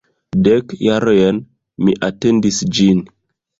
Dek jarojn mi atendis ĝin!